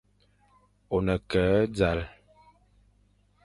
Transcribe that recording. Ô ne ke e zal,